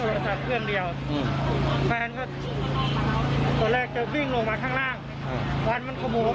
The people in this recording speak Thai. รอดแล้วก็พี่เนี้ยเรียกไปเพื่อนบ้านเยี่ยมด้วยเยี่ยมด้วย